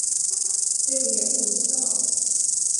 Det vill jag inte ha!